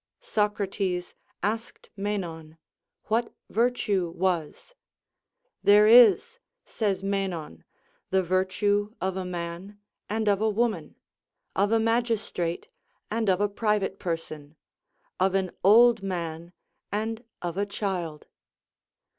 Socrates asked Menon, "What virtue was." "There is," says Menon, "the virtue of a man and of a woman, of a magistrate and of a private person, of an old man and of a child."